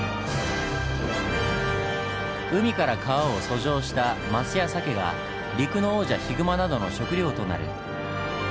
海から川を遡上したマスやサケが陸の王者ヒグマなどの食糧となる。